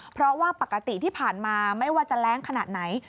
เพราะว่าปกติที่ผ่านมาไม่ว่าจะแรงขนาดไหน